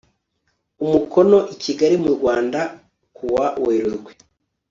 umukono i kigali mu rwanda ku wa werurwe